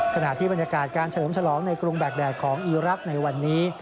ขณะที่บรรยากาศการเฉลิมฉลองในกรุงแบกแดดของอีรักษ์ในวันนี้